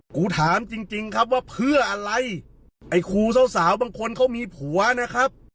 กูถามจริงจริงครับว่าเพื่ออะไรไอ้ครูสาวสาวบางคนเขามีผัวนะครับ